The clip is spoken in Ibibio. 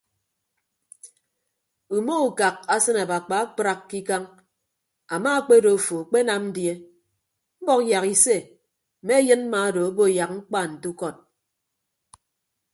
Ume ukak asịn abakpa akpraak ke ikañ ama akpedo afo akpenam die mbọk yak ise mme ayịn mma odo obo yak mkpa nte ukọd.